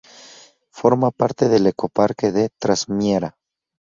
Forma parte del Ecoparque de Trasmiera.